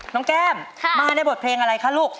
แก้มมาในบทเพลงอะไรคะลูก